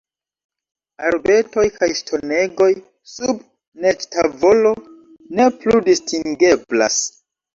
Arbetoj kaj ŝtonegoj, sub neĝtavolo, ne plu distingeblas.